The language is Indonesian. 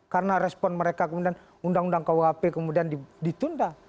karena respon mereka kemudian undang undang khuhp kemudian ditunda